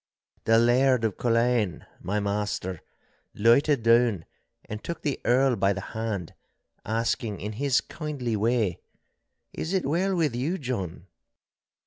The Laird of Culzean, my master, lighted down and took the Earl by the hand, asking in his kindly way,— 'Is it well with you, John?